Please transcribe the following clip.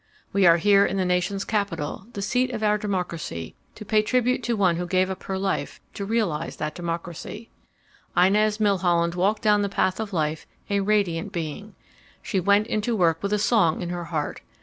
We are here in the nation's capital, the seat of our democracy, to pay tribute to one who gave up her life to realize that democracy .... "Inez Milholland walked down the path of life a radiant being. She went into work with a song in her heart.